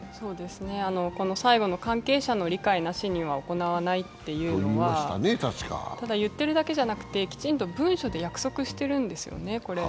最後の関係者の理解なしには行わないというのは、ただ言ってるだけじゃなくて文書で約束してるんですよね。